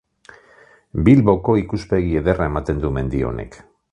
Bilboko ikuspegi ederra ematen du mendi honek.